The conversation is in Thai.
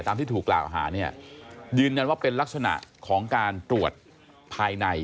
ที่ถูกกล่าวหาเนี่ยยืนยันว่าเป็นลักษณะของการตรวจภายใน